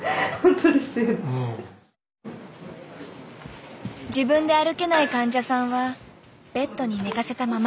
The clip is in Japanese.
自分で歩けない患者さんはベッドに寝かせたままで。